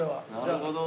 なるほど。